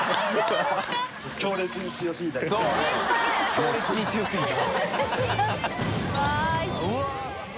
「強烈に強すぎた」